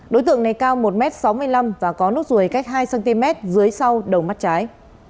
đối tượng này cao một sáu mươi năm m và có nút ruồi cách hai cm dưới sau đầu mắt trái